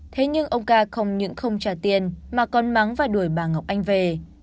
thế nhưng ông ca không những không trả tiền mà còn mắng và đuổi bà ngọc anh về